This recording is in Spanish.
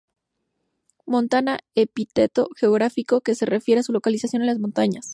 Montana: epíteto geográfico que se refiere a su localización en las montañas.